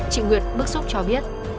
chị nguyệt bức xúc cho biết